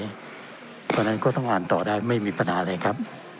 เพราะฉะนั้นก็ต้องอ่านต่อได้ไม่มีปัญหาอะไรครับ